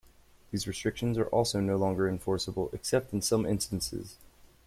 These restrictions are also no longer enforceable, except in some instances.